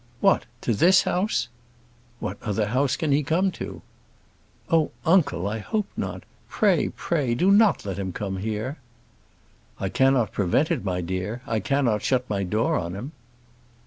"What! to this house?" "What other house can he come to?" "Oh, uncle! I hope not. Pray, pray do not let him come here." "I cannot prevent it, my dear. I cannot shut my door on him."